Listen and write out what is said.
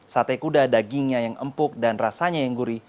sate kuda dagingnya yang empuk dan rasanya yang gurih